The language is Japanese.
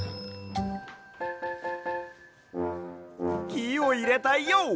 きをいれたＹＯ！